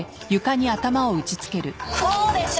こうでしょ？